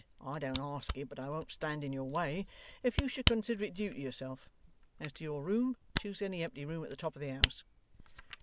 I don't ask it, but I won't stand in your way if you should consider it due to yourself. As to your room, choose any empty room at the top of the house.